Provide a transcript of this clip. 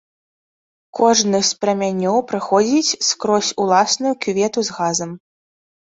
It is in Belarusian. Кожны з прамянёў праходзіць скрозь уласную кювету з газам.